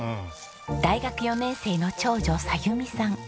大学４年生の長女沙弓さん。